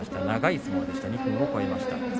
長い相撲で２分を超えました。